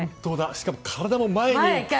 しかも体も前にいって。